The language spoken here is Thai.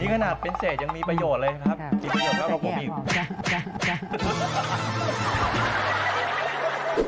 อันนี้ขนาดเป็นเศษยังมีประโยชน์เลยครับมีประโยชน์แล้วกับผมอีก